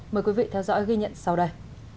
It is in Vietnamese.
mời quý vị theo dõi ghi nhận sau đây